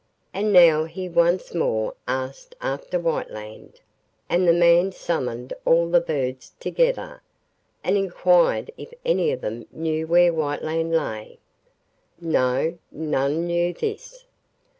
And now he once more asked after Whiteland, and the man summoned all the birds together, and inquired if any of them knew where Whiteland lay. No, none knew this.